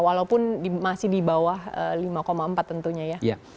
walaupun masih di bawah lima empat tentunya ya